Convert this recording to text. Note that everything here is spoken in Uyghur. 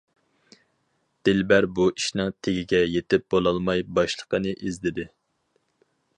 دىلبەر بۇ ئىشنىڭ تېگىگە يېتىپ بولالماي باشلىقىنى ئىزدىدى.